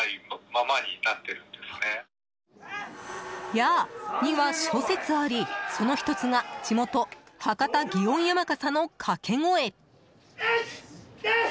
ヤーには諸説あり、その１つが地元・博多祇園山笠の掛け声。